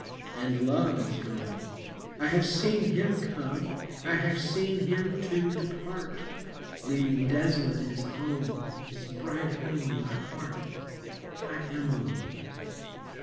And Love is gone; I have seen him come, I have seen him, too, depart, Leaving desolate his home, His bright home in my heart. I am alone!